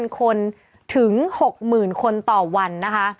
คนถึง๖หมื่นคนต่อวัน